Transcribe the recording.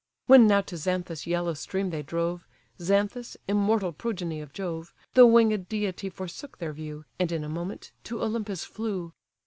When now to Xanthus' yellow stream they drove, (Xanthus, immortal progeny of Jove,) The winged deity forsook their view, And in a moment to Olympus flew.